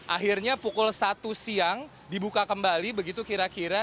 akhirnya pukul satu siang dibuka kembali begitu kira kira